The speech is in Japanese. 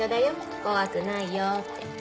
怖くないよって。